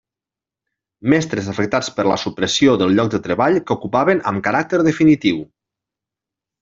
Mestres afectats per la supressió del lloc de treball que ocupaven amb caràcter definitiu.